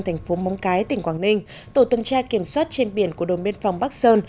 thành phố móng cái tỉnh quảng ninh tổ tuần tra kiểm soát trên biển của đồn biên phòng bắc sơn